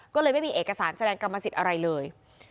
ก็เลยไม่มีเอกสารแสดงกรรมสิทธิ์อะไรเลย